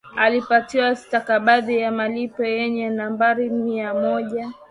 Alipatiwa stakabadhi ya malipo yenye nambari mia moja